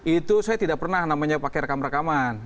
itu saya tidak pernah namanya pakai rekam rekaman